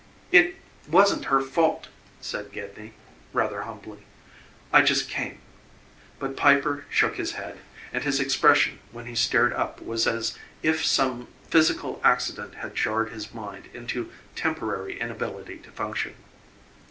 "It wasn't her fault," said Gedney rather humbly. "I just came." But Piper shook his head, and his expression when he stared up was as if some physical accident had jarred his mind into a temporary inability to function.